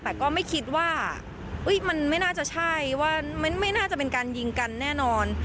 แต่ก็ไม่คิดว่ามันไม่น่าจะใช่ว่าไม่น่าจะเป็นการยิงกันแน่นอน